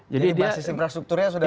jadi infrastrukturnya sudah ada